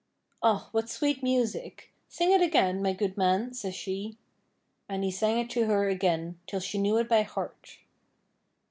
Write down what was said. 'Aw, what sweet music! Sing it again, my good man,' says she. And he sang it to her again, till she knew it by heart.